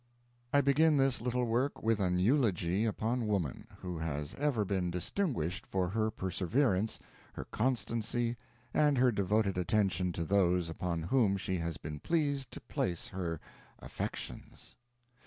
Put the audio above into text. I begin this little work with an eulogy upon woman, who has ever been distinguished for her perseverance, her constancy, and her devoted attention to those upon whom she has been pleased to place her affections.